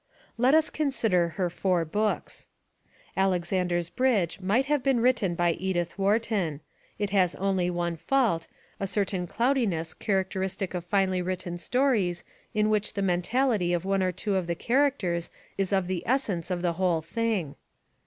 Let us consider her four books. Alexander's Bridge might have been written by Edith Wharton. It has only one fault, a certain 262 THE WOMEN WHO MAKE OUR NOVELS cloudiness characteristic of finely written stories in which the mentality of one or two of the characters is of the essence of the whole thing.